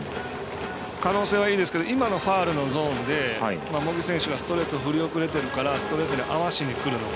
可能性はいいですけど今のファウルのゾーンで茂木選手がストレートを振り遅れてるからストレートに合わせにくるのか。